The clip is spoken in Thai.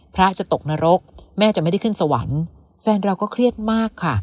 พระจะตกนรกแม่จะไม่ได้ขึ้นสวรรค์แฟนเราก็เครียดมากค่ะ